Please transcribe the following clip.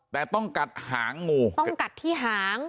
แต่ต้องกัดหางงูต้องกัดที่หาง